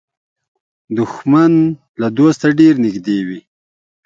دښمن له دوسته ډېر نږدې وي